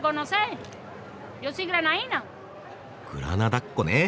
グラナダっ子ね。